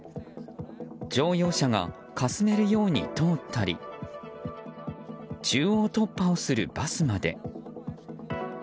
乗用車がかすめるように通ったり中央突破をするバスまで。